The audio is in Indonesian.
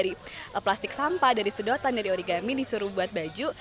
jadi kita disuruh kreasiin baju dari plastik sampah dari sedotan dari origami disuruh buat baju